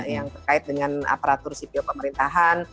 yang terkait dengan aparatur sipil pemerintahan